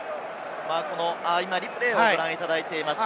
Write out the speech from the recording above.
リプレーをご覧いただいています。